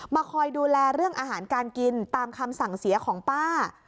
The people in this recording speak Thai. คอยดูแลเรื่องอาหารการกินตามคำสั่งเสียของป้า